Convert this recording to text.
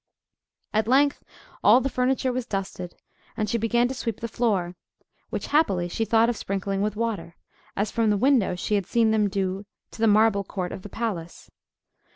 At length all the furniture was dusted, and she began to sweep the floor, which happily, she thought of sprinkling with water, as from the window she had seen them do to the marble court of the palace.